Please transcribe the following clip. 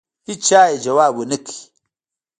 هېچا یې ځواب ونه کړ.